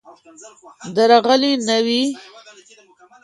درغلي نه وي.